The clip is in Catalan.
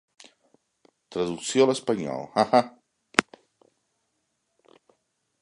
Traducció a l'espanyol ¡Ajá!